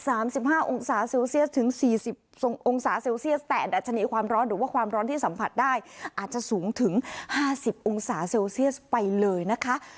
สิบห้าองศาเซลเซียสถึงสี่สิบสององศาเซลเซียสแต่ดัชนีความร้อนหรือว่าความร้อนที่สัมผัสได้อาจจะสูงถึงห้าสิบองศาเซลเซียสไปเลยนะคะ